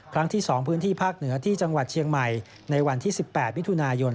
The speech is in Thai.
ครั้งที่๒พื้นที่ภาคเหนือที่จังหวัดเชียงใหม่ในวันที่๑๘มิถุนายน